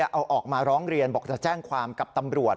เอาออกมาร้องเรียนบอกจะแจ้งความกับตำรวจ